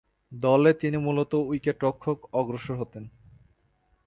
দলে তিনি মূলতঃ উইকেট-রক্ষণে অগ্রসর হতেন।